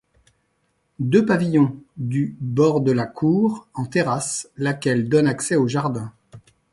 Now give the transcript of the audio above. Deux pavillons du bordent la cour en terrasse laquelle donne accès au jardin.